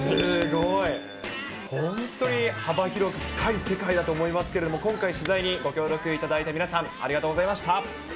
本当に幅広く、深い世界だと思いますけれども、今回、取材にご協力いただいた皆さん、ありがとうございました。